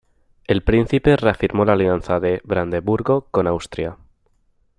El príncipe reafirmó la alianza de Brandeburgo con Austria.